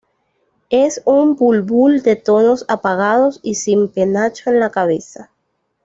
Es un bulbul de tonos apagados y sin penacho en la cabeza.